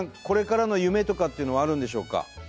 これからの夢とかっていうのはあるんでしょうか？